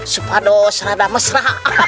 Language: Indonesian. supado serada mesra